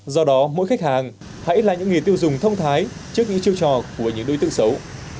do đó mỗi khách hàng hãy là những người tiêu dùng thông thái trước những chiêu trò của những đối tượng xấu